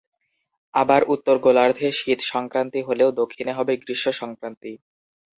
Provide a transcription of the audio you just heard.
আবার উত্তর গোলার্ধে শীত সংক্রান্তি হলেও দক্ষিণে হবে গ্রীষ্ম সংক্রান্তি।